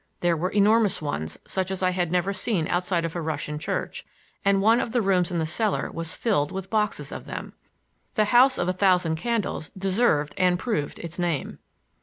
There were enormous ones, such as I had never seen outside of a Russian church,—and one of the rooms in the cellar was filled with boxes of them. The House of a Thousand Candles deserved and proved its name.